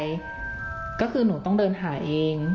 มีแต่เสียงตุ๊กแก่กลางคืนไม่กล้าเข้าห้องน้ำด้วยซ้ำ